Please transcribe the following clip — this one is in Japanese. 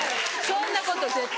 そんなこと絶対。